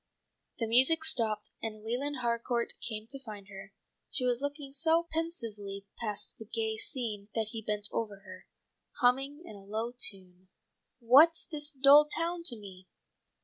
The music stopped and Leland Harcourt came to find her. She was looking so pensively past the gay scene that he bent over her, humming in a low tone: "'What's this dull town to me?